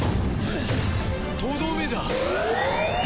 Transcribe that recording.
とどめだ。